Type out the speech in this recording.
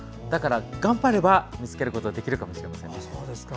だから、頑張れば見つけることができるかもしれません。